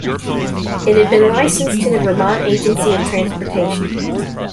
It had been licensed to the Vermont Agency of Transportation.